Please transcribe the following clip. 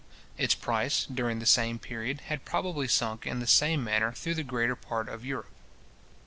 Its price, during the same period, had probably sunk in the same manner through the greater part of Europe.